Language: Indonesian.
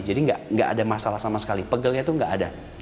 jadi nggak ada masalah sama sekali pegelnya itu nggak ada